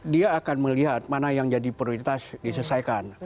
dia akan melihat mana yang jadi prioritas diselesaikan